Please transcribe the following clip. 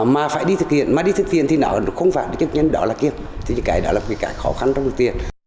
mà phải đi thực hiện mà đi thực hiện thì nó không phải chức nhân đó là kiếm thế thì cái đó là cái khó khăn trong việc tiền